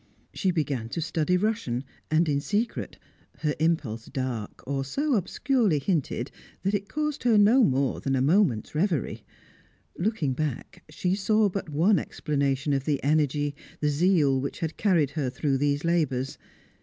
She began to study Russian, and in secret; her impulse dark, or so obscurely hinted that it caused her no more than a moment's reverie. Looking back, she saw but one explanation of the energy, the zeal which had carried her through these labours.